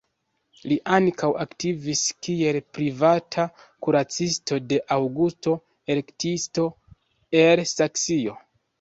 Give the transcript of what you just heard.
Li ankaŭ aktivis kiel privata kuracisto de Aŭgusto, elektisto el Saksio.